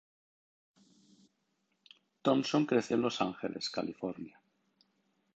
Thompson creció en Los Angeles, California.